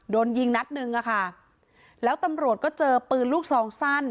โดนยิงนัดหนึ่งอะค่ะแล้วตำรวจก็เจอปืนลูกซองสั้น